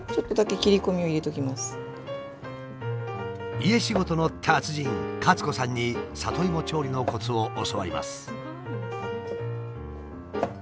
家仕事の達人カツ子さんに里芋調理のコツを教わります。